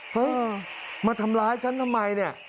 เฮ้ยมาทำร้ายฉันทำไมเนี่ย